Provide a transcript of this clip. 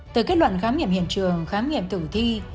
từ kết luận khám nghiệm hiện trường khám nghiệm tử thi